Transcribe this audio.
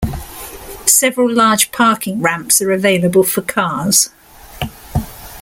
Several large parking ramps are available for cars.